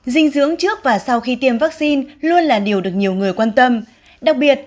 dinh dưỡng trước và sau khi tiêm vaccine luôn là điều được nhiều người quan tâm đặc biệt